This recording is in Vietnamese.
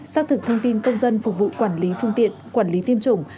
xác thực thông tin công dân phục vụ quản lý phương tiện quản lý tiêm chủng